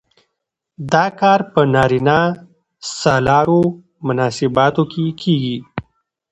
دا کار په نارینه سالارو مناسباتو کې کیږي.